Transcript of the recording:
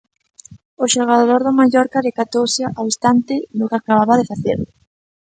O xogador do Mallorca decatouse ao instante do que acababa de facer.